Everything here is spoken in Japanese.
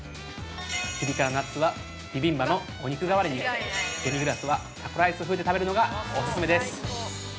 ピリ辛ナッツは、ビビンバのお肉代わりにデミグラスは、タコライス風で食べるのがおすすめです。